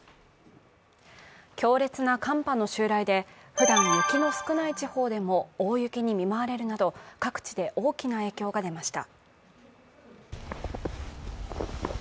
強烈な寒波の襲来で、ふだん雪の少ない地方でも大雪に見舞われるなど各地で大きな影響が出ました。